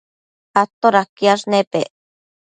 todaquiash nepec?